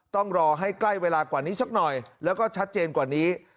ต้องรอให้ใกล้เวลากว่านี้สักหน่อยแล้วก็ชัดเจนกว่านี้